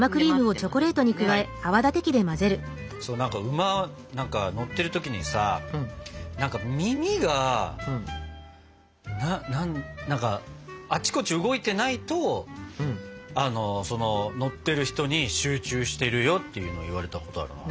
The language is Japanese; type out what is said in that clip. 馬乗ってる時にさ何か耳が何かあっちこっち動いてないと乗ってる人に集中してるよっていうのを言われたことあるな。